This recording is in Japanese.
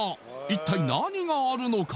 一体何があるのか？